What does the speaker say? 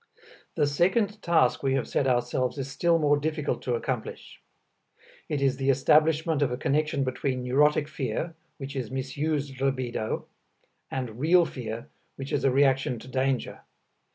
The second task we have set ourselves is still more difficult to accomplish. It is the establishment of a connection between neurotic fear, which is misused libido, and real fear, which is a reaction to danger.